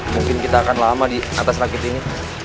mungkin kita akan lama di atas rakit ini